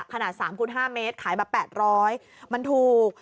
ขนาด๓คูณ๕เมตรขายมา๘๐๐มันถูก